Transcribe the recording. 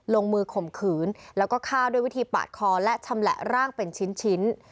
ลงมือข่มขืนแล้วก็ฆ่าด้วยวิธีปาดคอและชำแหละร่างเป็นชิ้น